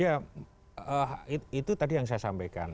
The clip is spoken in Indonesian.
ya itu tadi yang saya sampaikan